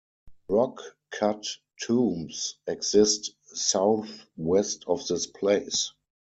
Rock-cut tombs exist south-west of this place.